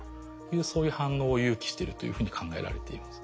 そういう反応を誘起してるというふうに考えられています。